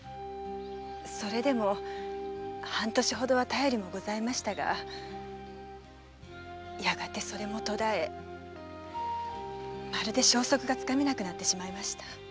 それでも半年ほどは便りもございましたがそれも途絶えまるで消息が掴めなくなってしまいました。